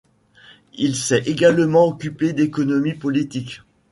Il s'est également occupé d'économie politique.